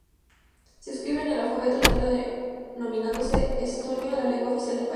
Se escribe con el alfabeto latino, denominándose estonio a la lengua oficial del país.